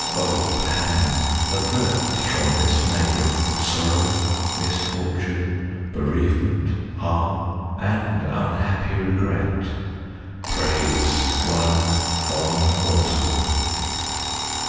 "O Pan, avert from this maiden Sorrow, misfortune, bereavement, Harm, and unhappy regret," 15 Prays one fond mortal.